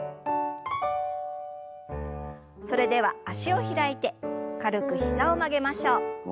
それでは足を開いて軽く膝を曲げましょう。